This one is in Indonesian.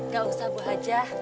gak usah bu haji